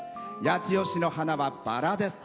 八千代市の花はバラです。